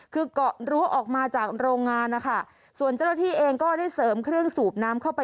คือเกาะรั้วออกมาจากโรงงานนะคะส่วนเจ้าหน้าที่เองก็ได้เสริมเครื่องสูบน้ำเข้าไป